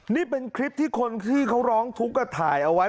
นี่เป็นคลิปที่คนที่เขาร้องทุกข์ก็ถ่ายเอาไว้